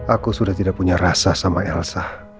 aku sudah tidak punya rasa sama elsa